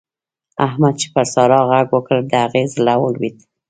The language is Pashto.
احمد چې پر سارا غږ وکړ؛ د هغې زړه ولوېد.